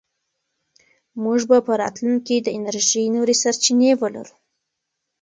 موږ به په راتلونکي کې د انرژۍ نورې سرچینې ولرو.